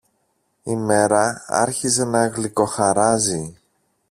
Η μέρα άρχιζε να γλυκοχαράζει.